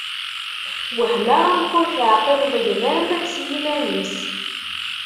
Wehmeɣ amek ur teεqileḍ gma-m s yiman-is.